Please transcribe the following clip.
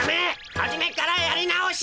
はじめからやり直し！